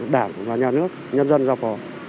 đảm vào nhà nước nhân dân giao phó